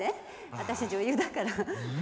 私女優だから。